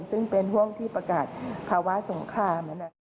ซึ่งเป็นห่วงที่ประกาศภาวะสงคราม